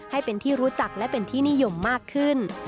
ให้เป็นที่รู้จักและเป็นที่นิยมมากขึ้น